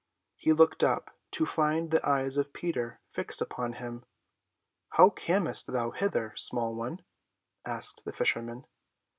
He looked up to find the eyes of Peter fixed upon him. "How camest thou hither, small one?" asked the fisherman.